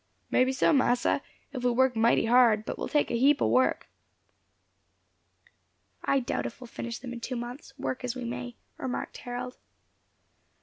"May be so, massa, if we work mighty hard; but it will take a heap o' work." "I doubt if we finish them in two months, work as we may," remarked Harold.